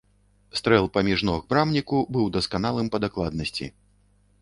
Стрэл паміж ног брамніку быў дасканалым па дакладнасці.